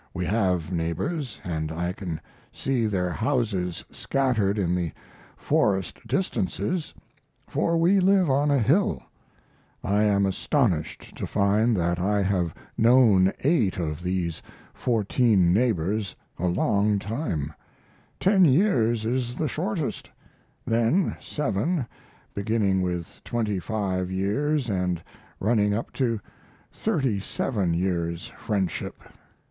We have neighbors and I can see their houses scattered in the forest distances, for we live on a hill. I am astonished to find that I have known 8 of these 14 neighbors a long time; 10 years is the shortest; then seven beginning with 25 years & running up to 37 years' friendship.